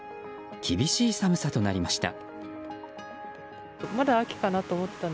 厳しい寒さとなりました。